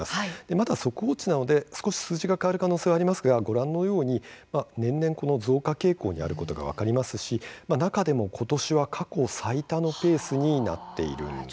まだ速報値なので少し数字が変わる可能性もありますがご覧のように年々、増加傾向にあることが分かりますし中でも今年は過去最多のペースになっているんです。